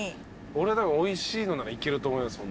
俺はおいしいのならいけると思います。